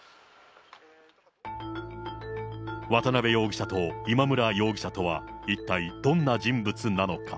渡辺容疑者と今村容疑者とは、一体どんな人物なのか。